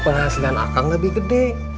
penghasilan akang lebih gede